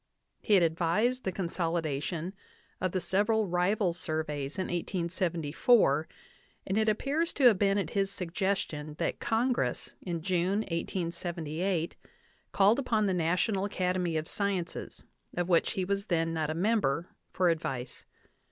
He had advised the consolidation of the several rival surveys in 1874, and it appears to have been at his suggestion that Congress, in June, 1878, called upon the National Academy of Sciences, of which he was then not a member, for advice.